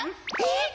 えっ？